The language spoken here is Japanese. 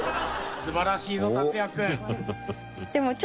素晴らしいぞ達哉君。